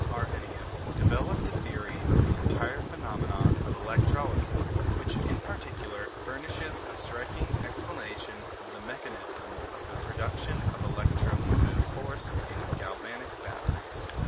Arrhenius, developed a theory of the entire phenomena of electrolysis, which, in particular, furnishes a striking explanation of the mechanism of the production of electromotive force in galvanic batteries.